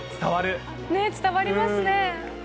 伝わりますね。